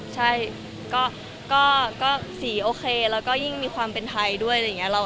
ใช่ก็สีโอเคแล้วก็ยิ่งมีความเป็นไทยด้วยอะไรอย่างนี้